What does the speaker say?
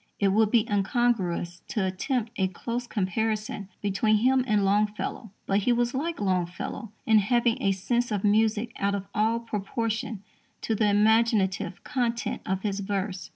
It would be incongruous to attempt a close comparison between him and Longfellow, but he was like Longfellow in having a sense of music out of all proportion to the imaginative content of his verse.